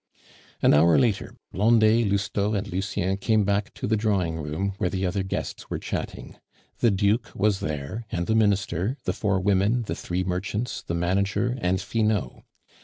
An hour later, Blondet, Lousteau, and Lucien came back to the drawing room, where the other guests were chatting. The Duke was there and the Minister, the four women, the three merchants, the manager, and Finot.